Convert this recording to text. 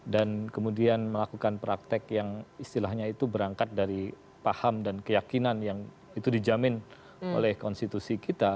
dan kemudian melakukan praktek yang istilahnya itu berangkat dari paham dan keyakinan yang itu dijamin oleh konstitusi kita